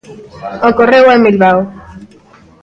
Ocorreu en Bilbao.